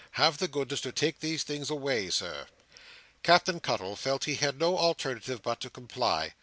Have the goodness to take these things away, Sir!" Captain Cuttle felt he had no alternative but to comply.